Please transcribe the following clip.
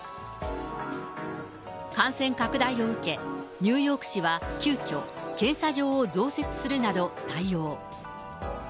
感染拡大を受け、ニューヨーク市は急きょ、検査場を増設するなど対応。